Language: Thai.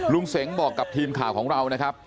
เสงบอกกับทีมข่าวของเรานะครับ